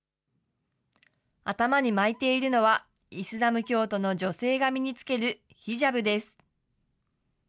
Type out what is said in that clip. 頭に巻いているのは、イスラム教徒の女性が身につけるヒジャブです。